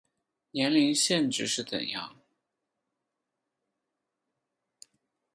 年龄限制是怎样